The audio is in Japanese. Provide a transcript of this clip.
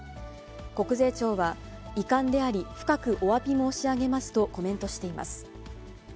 国税庁は、遺憾であり、深くおわび申し上げますと、コメントしています。